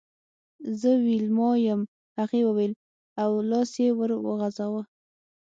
زه ویلما یم هغې وویل او لاس یې ور وغزاوه